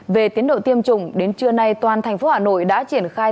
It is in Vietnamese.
về tiến độ tiêm chủng đến trưa nay toàn thành phố hà nội đã triển khai